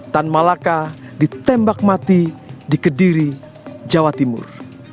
tan malaka ditembak mati di kediri jawa timur